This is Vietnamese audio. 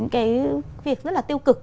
cái việc rất là tiêu cực